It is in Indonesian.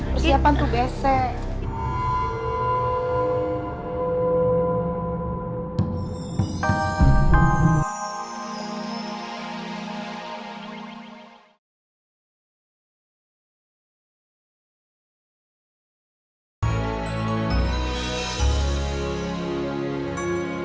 persiapan tuh besek